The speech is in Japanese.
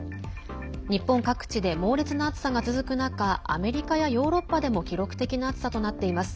日本各地で猛烈な暑さが続く中アメリカやヨーロッパでも記録的な暑さとなっています。